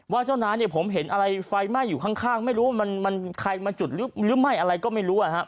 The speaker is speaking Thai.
เจ้าน้าเนี่ยผมเห็นอะไรไฟไหม้อยู่ข้างไม่รู้ว่ามันใครมาจุดหรือไม่อะไรก็ไม่รู้